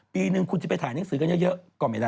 ปีนึงคุณจะไปถ่ายหนังสือกันเยอะก็ไม่ได้